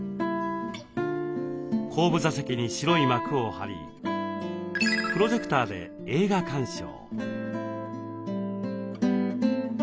後部座席に白い幕を張りプロジェクターで映画鑑賞。